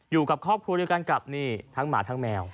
อยู่กับครอบครัวเดียวกันกับนี่ทั้งหมาทั้งแมว